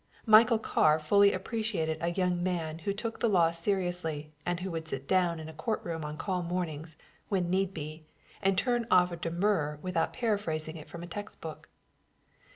Michael Carr fully appreciated a young man who took the law seriously and who could sit down in a court room on call mornings, when need be, and turn off a demurrer without paraphrasing it from a text book.